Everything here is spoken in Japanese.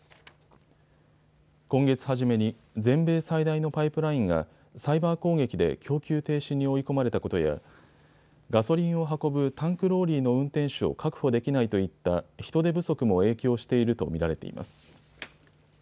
今月初めに全米最大のパイプラインがサイバー攻撃で供給停止に追い込まれたことやガソリンを運ぶタンクローリーの運転手を確保できないといった、人手不足も影響していると見られています。